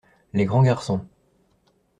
Les grands garçons.